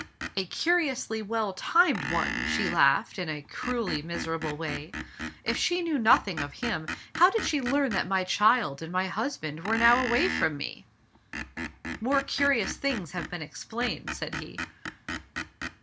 "A curiously well timed one, she laughed, in a cruelly miserable way. "If she knew nothing of him, how did she learn that my child and my husband were now away from m^?" Digitized by Google MRS, HUNGERFORD. 1 85 "More curious things have been explained," said he.